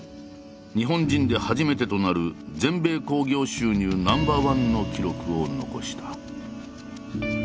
日本人で初めてとなる全米興行収入ナンバーワンの記録を残した。